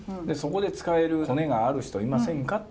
そこで使えるコネがある人いませんか？